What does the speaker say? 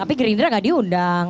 tapi gerindra nggak diundang